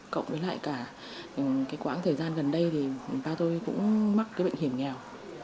cộng với lại cả quãng thời gian gần đây thì ba tôi cũng mắc cái bệnh hiểm nghèo